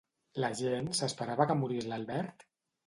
La gent s'esperava que morís l'Albert?